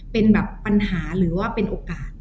เป็นแบบปัญหาหรือว่าเป็นโอกาส